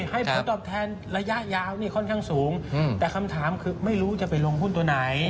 ให้ผลตอบแทนระยะยาวนี่ค่อนข้างสูงแต่คำถามคือไม่รู้จะไปลงหุ้นตัวไหน